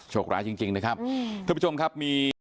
โชคล้ายจริงนะครับ